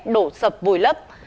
đổ sập vùi lấp